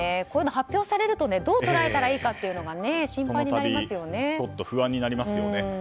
こういうのが発表されるとどう捉えたらいいのか心配になりますよね。